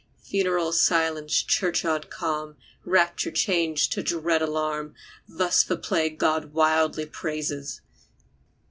Funeral silence churchyard calm, Rapture change to dread alarm. Thus the plague God wildly praises!